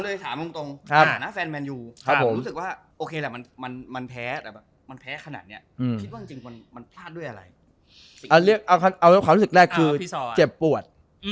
เอาความรู้สึกแรกคือเจ็บปวด